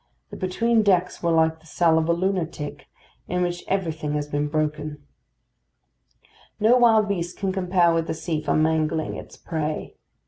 The between decks were like the cell of a lunatic, in which everything has been broken. No wild beast can compare with the sea for mangling its prey.